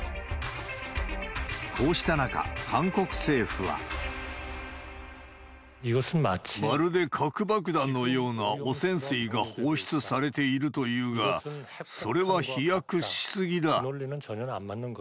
こうした中、韓国政府は。まるで核爆弾のような汚染水が放出されているというが、それは飛躍し過ぎだ。